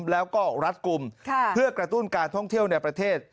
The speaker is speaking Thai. แล้วก็รัดกลุ่มเพื่อกระตุ้นการท่องเที่ยวในประเทศ